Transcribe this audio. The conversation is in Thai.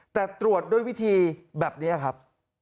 แต่ตรวจด้วยวิธีแบบนี้ครับ